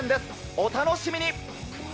お楽しみに。